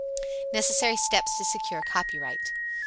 Necessary Steps to Secure Copyright.